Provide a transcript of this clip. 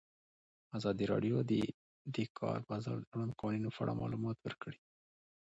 ازادي راډیو د د کار بازار د اړونده قوانینو په اړه معلومات ورکړي.